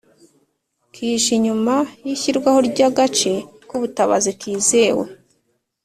Kihishe inyuma y ishyirwaho ry agace k ubutabazi kizewe